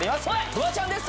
フワちゃんです